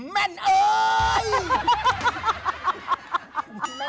แม่นเอ้ย